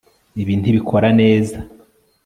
Ibi ntibikora neza